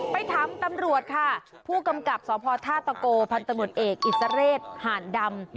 ไปถามตำรวจค่ะผู้กำกับสพท่าตะโกพันธมตเอกอิสระเรศหานดำ